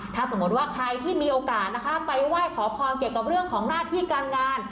ถ้าสมมติว่าใครที่มีโอกาสนะคะไปไหว้ขอพรเกี่ยวกับเรื่องของหน้าที่การงาน